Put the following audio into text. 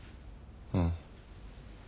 うん。